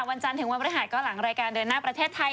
วันจันทร์ถึงวันบริหารก็หลังรายการเดินหน้าประเทศไทย